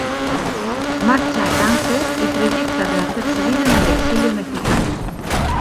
Marcha a Tánger y proyecta rehacer su vida en el exilio mexicano.